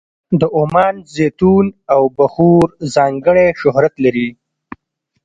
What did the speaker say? د عمان زیتون او بخور ځانګړی شهرت لري.